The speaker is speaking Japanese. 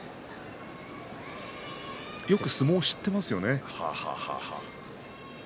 よく相撲を知ってますよね。